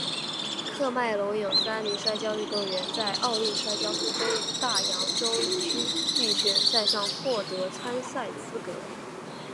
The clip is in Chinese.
喀麦隆有三名摔跤运动员在奥运摔跤非洲与大洋洲区预选赛上获得参赛资格。